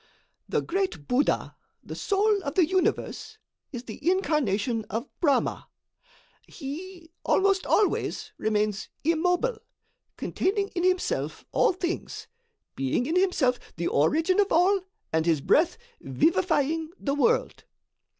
"The great Buddha, the soul of the Universe, is the incarnation of Brahma. He, almost always, remains immobile, containing in himself all things, being in himself the origin of all and his breath vivifying the world.